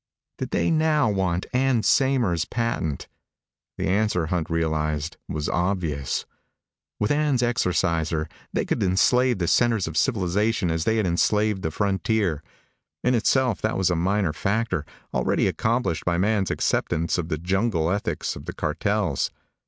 Did they now want Ann Saymer's patent? The answer, Hunter realized, was obvious. With Ann's Exorciser, they could enslave the centers of civilization as they had enslaved the frontier. In itself that was a minor factor, already accomplished by man's acceptance of the jungle ethics of the cartels.